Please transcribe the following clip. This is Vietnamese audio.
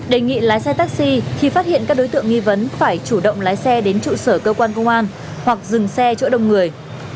đề nghị lái xe taxi khi phát hiện các đối tượng nghi vấn phải chủ động lái xe đến trụ sở cơ quan công an hoặc dừng xe chỗ đông người